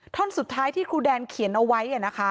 ท่อนสุดท้ายที่ครูแดนเขียนเอาไว้